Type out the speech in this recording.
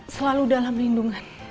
selalu dalam lindungan